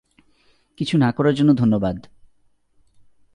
কিছু না করার জন্য ধন্যবাদ!